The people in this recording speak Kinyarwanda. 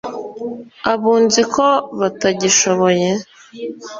Abunzi ko batagishoboye